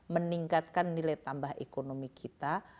meningkatkan nilai tambah ekonomi kita